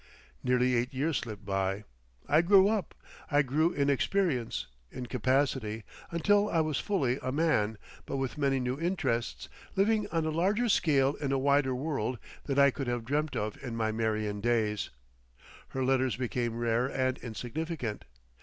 Nearly eight years slipped by. I grew up. I grew in experience, in capacity, until I was fully a man, but with many new interests, living on a larger scale in a wider world than I could have dreamt of in my Marion days. Her letters become rare and insignificant.